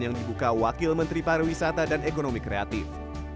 yang dibuka wakil menteri pariwisata dan ekonomi kreatif